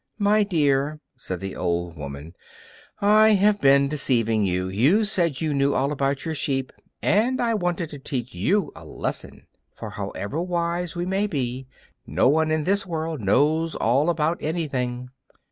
"My dear," said the old woman, "I have been deceiving you; you said you knew all about your sheep, and I wanted to teach you a lesson. For, however wise we may be, no one in this world knows all about anything.